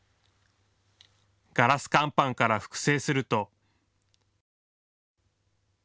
ガラス乾板から複製すると。